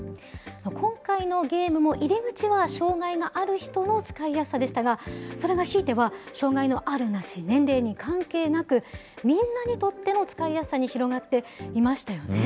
今回のゲームも入り口は障害のある人の使いやすさでしたが、それがひいては、障害のあるなし、年齢に関係なく、みんなにとっての使いやすさに広がっていましたよね。